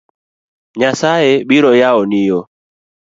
Nyasaye biro yawoni yo